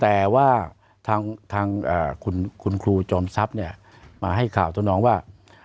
แต่ว่าทางคุณครูจอมทรัพย์มาให้ข่าวตัวน้องว่า